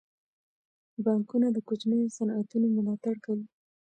بانکونه د کوچنیو صنعتونو ملاتړ کوي.